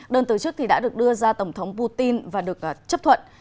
đơn từ chức đã được đưa ra tổng thống putin và được chấp thuận